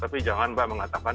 tapi jangan mbak mengatakan